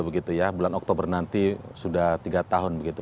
bulan oktober nanti sudah tiga tahun